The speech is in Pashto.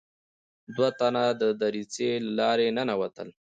دوه تنه د دريڅې له لارې ننوتل.